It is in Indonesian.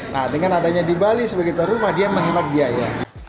nah dengan adanya di bali sebagai terumah dia menghemat biaya